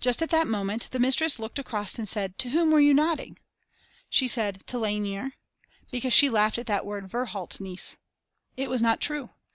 Just at that moment the mistress looked across and said: To whom were you nodding? She said: To Lainer. Because she laughed at the word "Verhaltnis." It was not true.